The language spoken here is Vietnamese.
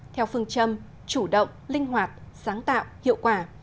theo phương châm chủ động linh hoạt sáng tạo hiệu quả